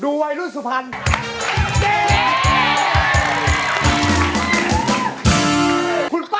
ดูวัยรุ่นสุภัณฑ์